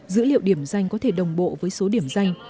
dữ liệu điểm danh có thể đồng bộ với số điểm danh